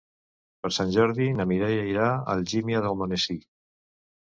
Per Sant Jordi na Mireia irà a Algímia d'Almonesir.